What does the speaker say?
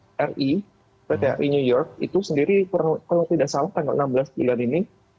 sedangkan untuk perwakilan tetap ri kjri new york itu sendiri kalau tidak salah tanggal enam belas bulan ini